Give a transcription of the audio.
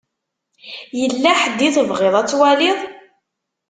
Yella ḥedd i tebɣiḍ ad twaliḍ?